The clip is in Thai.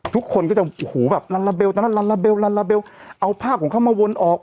ทุกคนก็จะหูแบบลัลลาเบลลัลลาเบลลัลลาเบลเอาภาพของเขามาวนออก